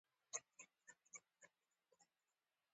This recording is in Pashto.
خط وهي هغه زما ورور دی.